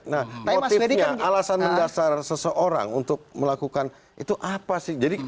nah motifnya alasan mendasar seseorang untuk melakukan itu apa sih